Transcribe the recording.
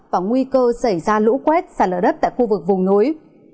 và nguy cơ xảy ra lũ quét xả lở đất tại khu vực vùng núi